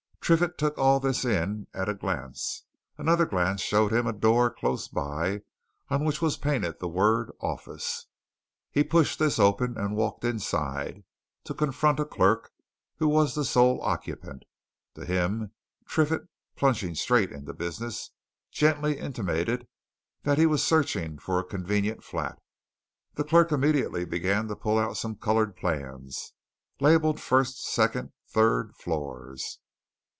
Triffitt took all this in at a glance; another glance showed him a door close by on which was painted the word "Office." He pushed this open and walked inside, to confront a clerk who was the sole occupant. To him, Triffitt, plunging straight into business, gently intimated that he was searching for a convenient flat. The clerk immediately began to pull out some coloured plans, labelled first, second, third floors.